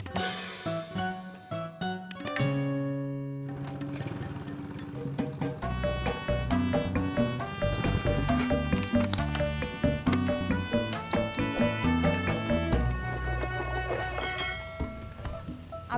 nanti gue mau ke pangkalan